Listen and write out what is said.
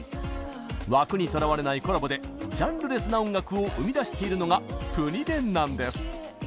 枠にとらわれないコラボでジャンルレスな音楽を生み出しているのがぷに電なんです。